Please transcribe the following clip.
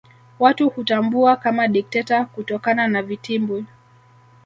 Watu hutambua kama dikteta kutokana na vitimbwi